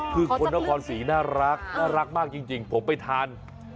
คือคนนครศรีน่ารักมากจริงผมไปทาน